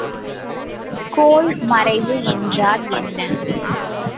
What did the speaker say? கோள் மறைவு என்றால் என்ன?